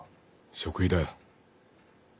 食費だよ。